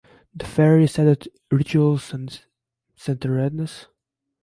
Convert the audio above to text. The Faeries added rituals and centeredness.